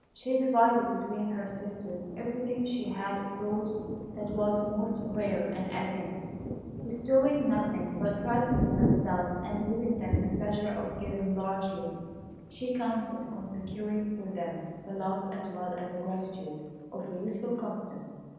She divided between her sisters everything she had brought that was most rare and elegant. Bestowing nothing but trifles herself, and leaving them the pleasure of giving largely, she counted on securing for them the love as well as the gratitude of the youthful combatants.